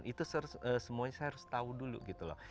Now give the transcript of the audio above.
itu semuanya saya harus tahu dulu gitu loh